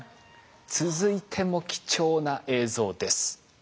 続いても貴重な映像です。